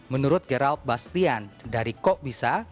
menurut gerald bastian dari kok bisa